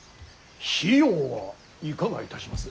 費用はいかがいたします。